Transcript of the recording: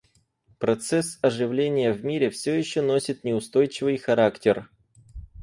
Процесс оживления в мире все еще носит неустойчивый характер.